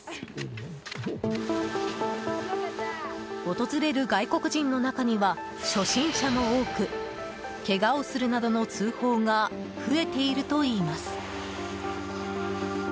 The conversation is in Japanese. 訪れる外国人の中には初心者も多くけがをするなどの通報が増えているといいます。